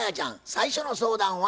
最初の相談は？